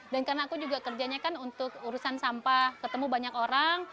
dan karena aku juga kerjanya kan untuk urusan sampah ketemu banyak orang